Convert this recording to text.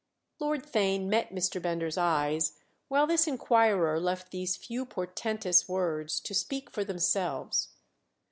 Lord Theign met Mr. Bender's eyes while this inquirer left these few portentous words to speak for themselves.